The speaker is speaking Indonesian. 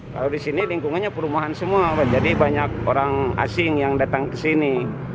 kalau di sini lingkungannya perumahan semua jadi banyak orang asing yang datang ke sini